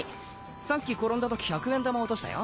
さっき転んだ時１００円玉落としたよ。